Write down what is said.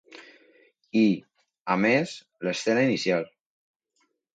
I, a més, l'escena inicial.